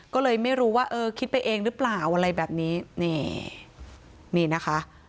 ก็เลยไม่รู้ว่าเออคิดไปเองหรือเปล่าอะไรแบบนี้นี่นี่นะคะ